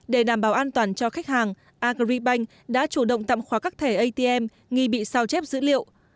để đảm bảo an toàn cho khách hàng agribank đã chủ động tặng khóa các thẻ atm nghi bị sao chép dữ liệu